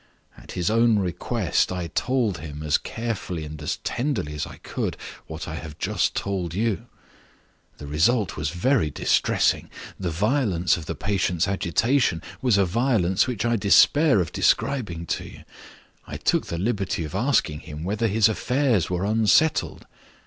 At his own request I told him, as carefully and as tenderly as I could, what I have just told you. The result was very distressing; the violence of the patient's agitation was a violence which I despair of describing to you. I took the liberty of asking him whether his affairs were unsettled.